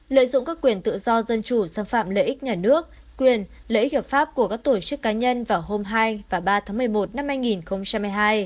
lợi dụng các quyền tự do dân chủ xâm phạm lợi ích nhà nước quyền lợi ích hợp pháp của các tổ chức cá nhân vào hôm hai và ba tháng một mươi một năm hai nghìn hai mươi hai